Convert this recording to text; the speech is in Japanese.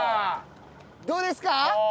どうですか？